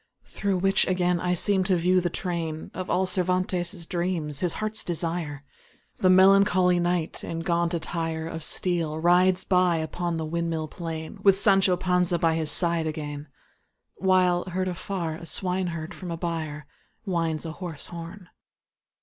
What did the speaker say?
Through which again I seem to view the train Of all Cervantes' dreams, his heart's desire: The melancholy Knight, in gaunt attire Of steel rides by upon the windmill plain With Sancho Panza by his side again, While, heard afar, a swineherd from a byre Winds a hoarse horn.